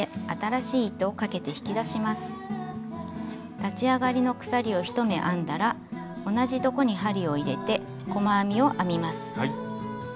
立ち上がりの鎖を１目編んだら同じところに針を入れて細編みを編みます。